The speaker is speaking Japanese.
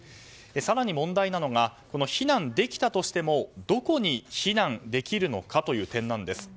更に、問題なのが避難できたとしてもどこに避難できるのかという点なんです。